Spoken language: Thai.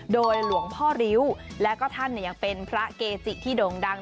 โดยหลวงพ่อริ้วและก็ท่านยังเป็นพระเกจิที่โด่งดัง